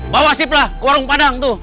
bawa sip lah ke warung padang tuh